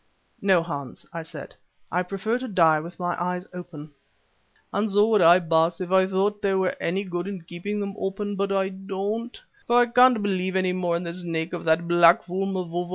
"No, Hans," I said, "I prefer to die with my eyes open." "And so would I, Baas, if I thought there was any good in keeping them open, but I don't, for I can't believe any more in the Snake of that black fool, Mavovo.